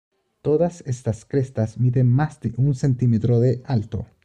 Todas estas crestas miden más de un centímetro de alto.